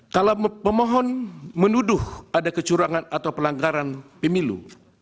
kalau pemohon menuduh ada kecurangan atau pelanggaran pemilu